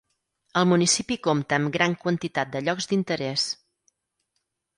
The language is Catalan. El municipi compta amb gran quantitat de llocs d'interès.